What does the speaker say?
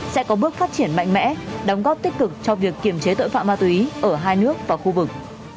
sẽ có bước phát triển mạnh mẽ đóng góp tích cực cho việc kiểm chế tội phạm ma túy ở hai nước và khu vực